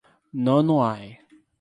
Nonoai